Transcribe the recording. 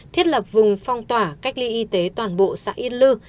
thiết lập vùng phong tỏa cách ly y tế toàn bộ xã yên lư